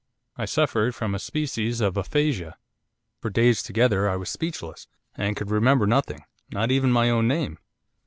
I suffered from a species of aphasia. For days together I was speechless, and could remember nothing, not even my own name.